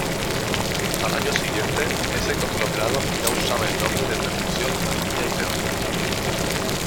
Al año siguiente, ese conglomerado ya usaba el nombre de Televisión Castilla y León.